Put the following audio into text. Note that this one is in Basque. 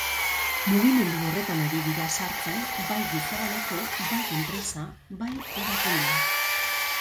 Mugimendu horretan ari dira sartzen bai gizabanako, bai enpresa, bai erakundeak.